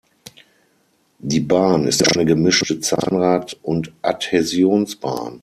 Die Bahn ist eine gemischte Zahnrad- und Adhäsionsbahn.